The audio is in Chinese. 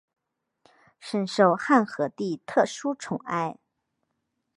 甚受汉和帝特殊宠爱。